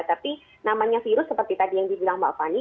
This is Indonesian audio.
tapi namanya virus seperti tadi yang dibilang mbak fani